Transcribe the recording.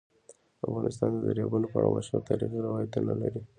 افغانستان د دریابونه په اړه مشهور تاریخی روایتونه لري.